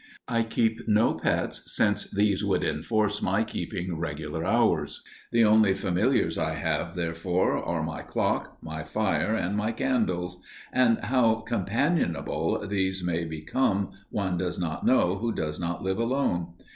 I keep no pets, since these would enforce my keeping regular hours; the only familiars I have, therefore, are my clock, my fire and my candles, and how companionable these may become one does not know who does not live alone.